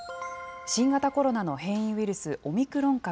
新型コロナの変異ウイルス、オミクロン株。